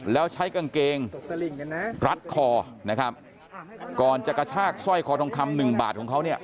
แล้วใช้กางเกงรัดคอนะครับก่อนจะกระชากสร้อยคอทองคำหนึ่งบาทของเขาเนี่ย